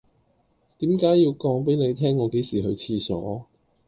點解要講俾你聽我幾時去廁所